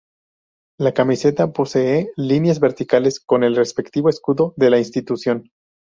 La camiseta posee líneas verticales con el respectivo escudo de la institución.